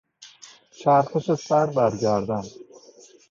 چرخش سر بر گردن